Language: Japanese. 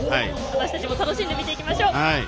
私たちも楽しんで見ていきましょう。